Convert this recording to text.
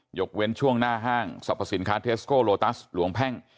ยกเว้นช่วงหน้าห้างสรรพสินค้าเทสโกโลตัสหลวงแพ่ง